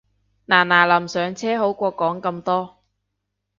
嗱嗱臨上車好過講咁多